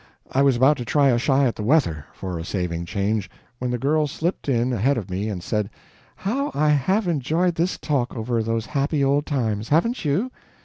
I was about to try a shy at the weather, for a saving change, when the girl slipped in ahead of me and said: "How I have enjoyed this talk over those happy old times haven't you?"